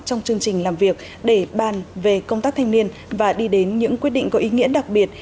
trong chương trình làm việc để bàn về công tác thanh niên và đi đến những quyết định có ý nghĩa đặc biệt